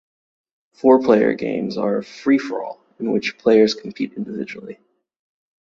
Four-player games are a free-for-all in which players compete individually.